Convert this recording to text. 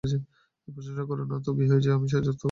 প্রসংসা করো নি তো কি হয়েছে, আমি সাহায্য তো করতে পারবো।